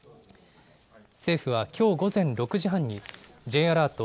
政府はきょう午前６時半に、Ｊアラート